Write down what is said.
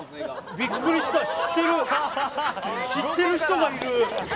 知っている人がいる。